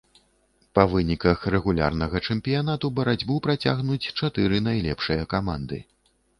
Па выніках рэгулярнага чэмпіянату барацьбу працягнуць чатыры найлепшыя каманды.